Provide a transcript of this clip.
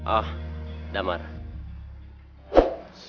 oh udah marah